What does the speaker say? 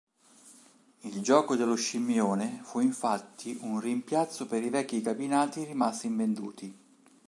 Il gioco dello scimmione fu infatti un rimpiazzo per i vecchi cabinati rimasti invenduti.